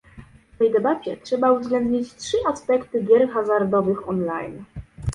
W tej debacie trzeba uwzględnić trzy aspekty gier hazardowych on-line